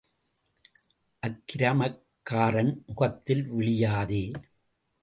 அக்கிரமக்காரன் முகத்தில் விழியாதே.